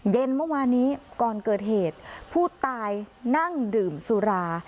เมื่อวานี้ก่อนเกิดเหตุผู้ตายนั่งดื่มสุรา